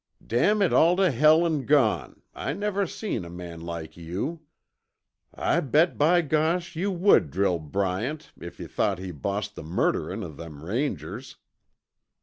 "Dammit all tuh hell an' gone, I never seen a man like you. I bet by gosh, yuh would drill Bryant if yuh thought he bossed the murderin' o' them Rangers."